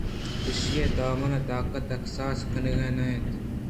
ایشی ءِ توان ءُطاقت کساس کنگ نہ بیت